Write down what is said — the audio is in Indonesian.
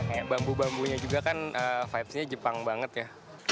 kayak bambu bambunya juga kan vibesnya jepang banget ya